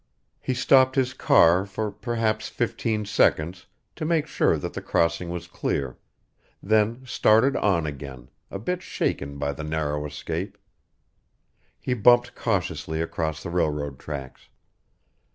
He stopped his car for perhaps fifteen seconds to make sure that the crossing was clear, then started on again, a bit shaken by the narrow escape. He bumped cautiously across the railroad tracks.